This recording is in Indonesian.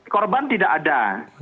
korban tidak ada